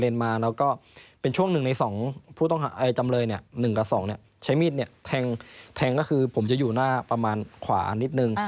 แทงก็คือผมจะอยู่หน้าประมาณขวานิดนึง